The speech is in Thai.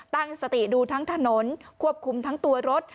ตั้งสติดูทั้งถนนควบคุมทั้งตัวรถ